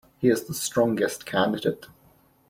He is the strongest candidate.